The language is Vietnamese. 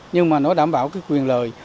nhưng mà nó đảm bảo quyền lời